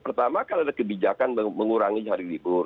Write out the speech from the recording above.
pertama kalau ada kebijakan mengurangi hari libur